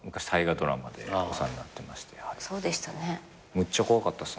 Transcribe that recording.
むっちゃ怖かったっす